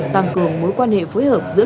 tăng cường mối quan hệ phối hợp giữa